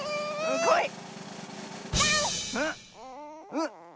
うん。